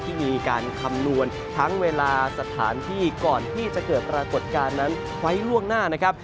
ที่มีการคำนวณทั้งเวลาสถานที่ก่อนที่จะเกิดปรากฏการณ์นั้นไว้ล่วงหน้านะครับ